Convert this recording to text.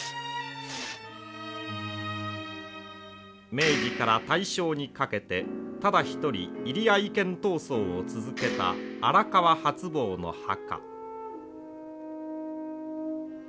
明治から大正にかけてただ一人入会権闘争を続けた荒川初坊の墓。